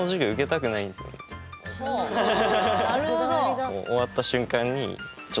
なるほど。